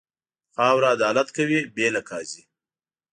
خاوره عدالت کوي، بې له قاضي.